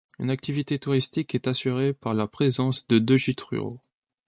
Une activité touristique est assurée par la présence de deux gites ruraux.